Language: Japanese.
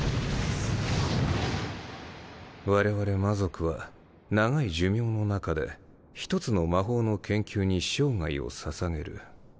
われわれ魔族は長い寿命の中で一つの魔法の研究に生涯をささげる。